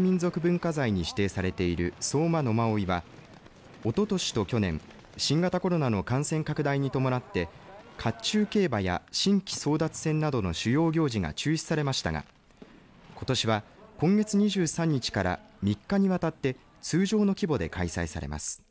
文化財に指定されている相馬野馬追はおととしと去年新型コロナの感染拡大に伴って甲冑競馬や神旗争奪戦などの主要行事が中止されましたがことしは今月２３日から３日にわたって通常の規模で開催されます。